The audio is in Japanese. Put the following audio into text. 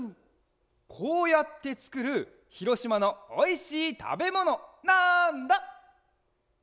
こうやってつくるひろしまのおいしいたべものなんだ？